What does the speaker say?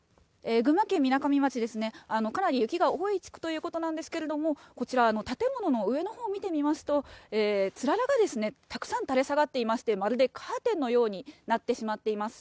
群馬県みなかみ町ですね、かなり雪が多い月ということなんですけれども、こちら、建物の上のほう見てみますと、つららがたくさん垂れ下がっていまして、まるでカーテンのようになってしまっています。